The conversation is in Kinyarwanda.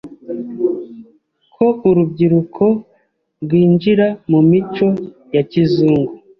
ko urubyiruko rwinjira mumico ya kizungu